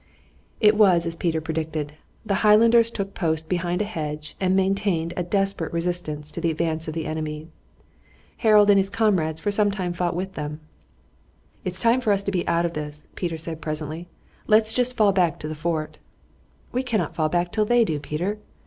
It was as Peter predicted. The Highlanders took post behind a hedge and maintained a desperate resistance to the advance of the enemy. Harold and his comrades for some time fought with them. "It's time for us to be out of this," Peter said presently. "Let's jest get back to the fort." "We cannot fall back till they do, Peter."